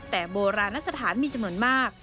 แต่โบราณสถานมีจำนวนมาก